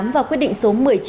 và quyết định số một mươi chín